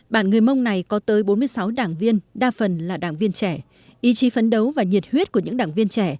bản người mong này có tới bốn mươi sáu đảng viên đa phần là đảng viên trẻ